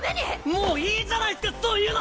もういいじゃないっすかそういうの！